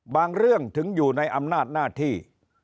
เรื่องถึงอยู่ในอำนาจหน้าที่